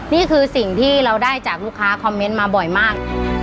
นี่คือสิ่งที่เราได้จากลูกค้าคอมเมนต์มาบ่อยมาก